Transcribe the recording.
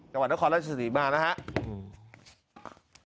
จังหวัดนครราชศรีมานะครับ